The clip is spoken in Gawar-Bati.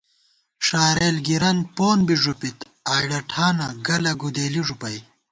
ݭارېل گِرَن پون بی ݫُپِت ، آئڑہ ٹھانہ، گَلہ گُدېلی ݫُپَئ